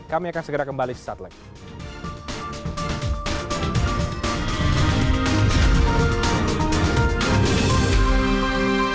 kami akan segera kembali sesaat lagi